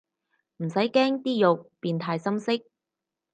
唔使驚啲肉變太深色